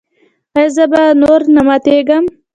ایا زه به نور نه ماتیږم؟